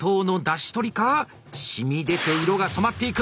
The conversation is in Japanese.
しみ出て色が染まっていく。